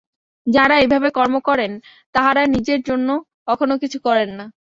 যাঁহারা এইভাবে কর্ম করেন, তাঁহারা নিজের জন্য কখনও কিছু করেন না।